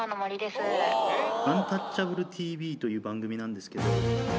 「アンタッチャブるＴＶ」という番組なんですけど。